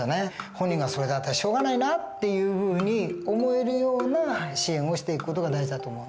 本人が「それだったらしょうがないな」っていうふうに思えるような支援をしていく事が大事だと思うんです。